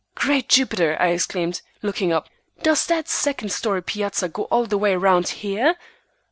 "Great Jupiter!" I exclaimed, looking up. "Does that second story piazza go all the way round here?"